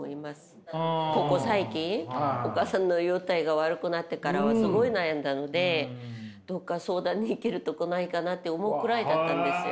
ここ最近お母さんの容体が悪くなってからはすごい悩んだのでどっか相談に行けるとこないかなって思うくらいだったんですよ。